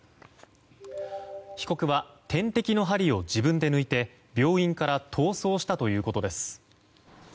被告は点滴の針を自分で抜いて病院から逃走したということです。